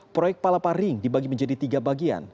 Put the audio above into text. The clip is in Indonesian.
proyek palapa ring dibagi menjadi tiga bagian